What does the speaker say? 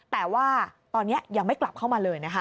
แต่ว่าตอนนี้ยังไม่กลับเข้ามาเลยนะคะ